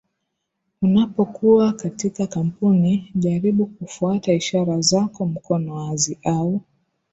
Unapokuwa katika kampuni jaribu kufuata ishara zako mkono wazi au